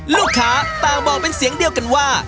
ลูกค้าต่างบอกเป็นเสียงเดียวกันว่า